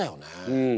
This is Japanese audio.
うん。